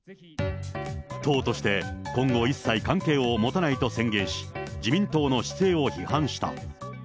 党として今後一切関係を持たないと宣言し、自民党の姿勢を批判した。